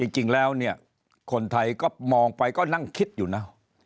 จริงแล้วเนี่ยคนไทยก็มองไปก็นั่งคิดอยู่นะ